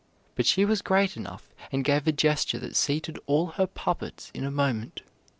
But she was great enough, and gave a gesture that seated all her puppets in a moment.